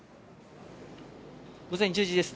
午前１０時です。